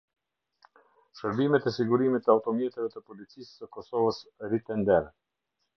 Shërbimet e sigurimit të automjeteve të policisë së kosovës ritender